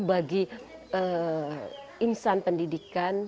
bagi insan pendidikan